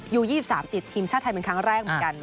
อยู่๒๓ติดทีมชาติไทยเป็นครั้งแรกเหมือนกัน